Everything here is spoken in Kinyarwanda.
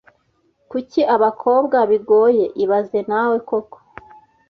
Kuki abakobwa bigoye ibaze nawe koko